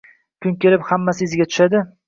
Hali kun kelib, hammasi iziga tushadi